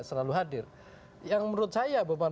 selalu hadir yang menurut saya beban